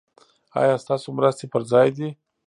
ایا ستاسو مرستې پر ځای دي؟